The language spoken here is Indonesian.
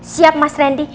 siap mas randy